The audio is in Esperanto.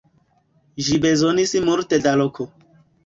Ĝi bezonis multe da loko.